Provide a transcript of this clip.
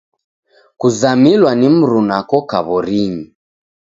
Kuzamilwa ni mruna koka w'orinyi.